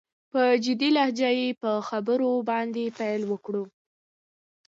په جدي لهجه يې په خبرو باندې پيل وکړ.